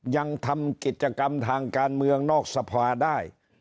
ยังทำกิจกรรมทางการเมืองนอกสภาได้